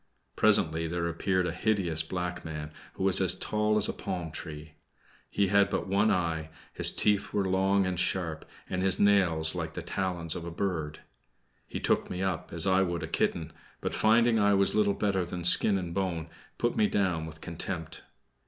Presently there appeared a hideous black man, who was as tall as a palm tree. He had but one eye, his teeth were long and sharp, and his nails like the talons of a bird. He took me up as I would a kitten, but finding I was little better than skin and bone, put me down with contempt.